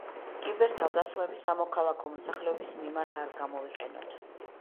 კიბერ-თავდასხმები სამოქალაქო მოსახლეობის მიმართ არ გამოვიყენოთ.